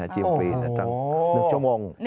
ชิมฟรี๑ชั่วโมง